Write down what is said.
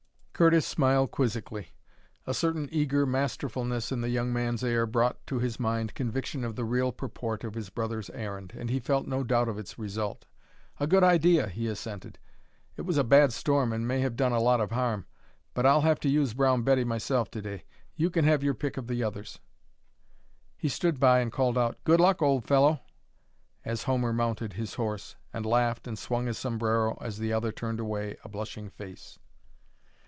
Curtis smiled quizzically. A certain eager masterfulness in the young man's air brought to his mind conviction of the real purport of his brother's errand, and he felt no doubt of its result. "A good idea," he assented. "It was a bad storm and may have done a lot of harm. But I'll have to use Brown Betty myself to day. You can have your pick of the others." He stood by and called out, "Good luck, old fellow!" as Homer mounted his horse, and laughed and swung his sombrero as the other turned away a blushing face.